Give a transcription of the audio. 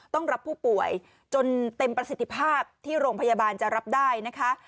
ต้องรับผู้ป่วยจนเต็มประสิทธิภาพที่โรงพยาบาลจะรับได้นะคะ